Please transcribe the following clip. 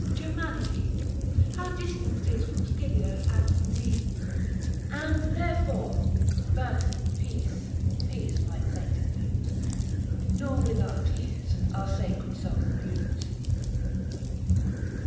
Germanice, 90 How distant 'tis from Scythia and from me ; And therefore — but peace, peace, my plaintive muse Nor with our tears our sacred song abuse."